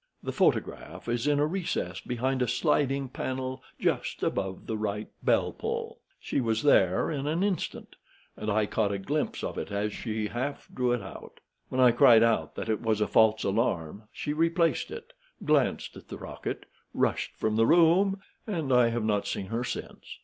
The photograph is in a recess behind a sliding panel just above the right bell pull. She was there in an instant, and I caught a glimpse of it as she drew it out. When I cried out that it was a false alarm, she replaced it, glanced at the rocket, rushed from the room, and I have not seen her since.